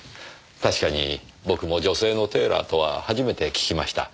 確かに僕も女性のテーラーとは初めて聞きました。